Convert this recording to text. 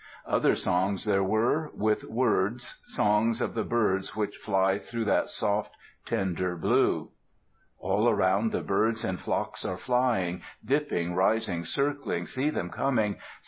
Other songs there were, with words, songs of the birds which fly through that soft, tender blue: All around the birds in flocks are flying; Dipping, rising, circling, see them coming.